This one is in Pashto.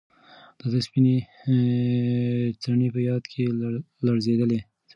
د ده سپینې څڼې په باد کې لړزېدې.